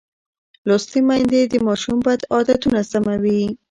لوستې میندې د ماشوم بد عادتونه سموي.